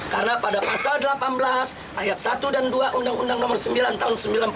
karena pada pasal delapan belas ayat satu dan dua undang undang nomor sembilan tahun seribu sembilan ratus sembilan puluh delapan